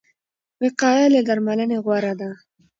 وقايه له درملنې غوره ده.